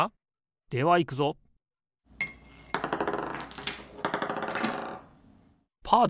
ではいくぞパーだ！